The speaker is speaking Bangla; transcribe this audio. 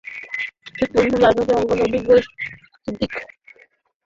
শেষ পর্যন্ত আন্তর্জাতিক অঙ্গনে অভিজ্ঞ সিদ্দিকুরের কাছে প্লে-অফে টক্কর দিতে পারেননি সজীব।